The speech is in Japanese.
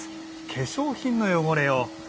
化粧品の汚れを。